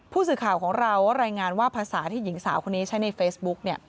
ผู้สื่อข่าวของเรารายงานว่าภาษาที่หญิงสาวคนนี้ใช้ในเฟซบุ๊ก